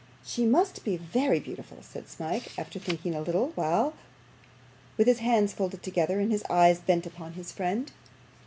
'She must be VERY beautiful,' said Smike, after thinking a little while with his hands folded together, and his eyes bent upon his friend.